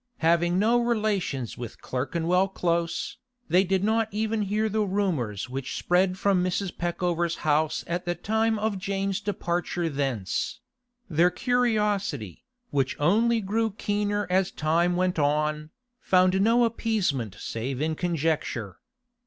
Having no relations with Clerkenwell Close, they did not even hear the rumours which spread from Mrs. Peckover's house at the time of Jane's departure thence; their curiosity, which only grew keener as time went on, found no appeasement save in conjecture.